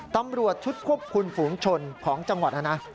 ตำรวจชุดควบคุมฝูงชนของจังหวัดนะนะ